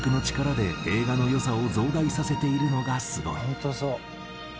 「本当そう」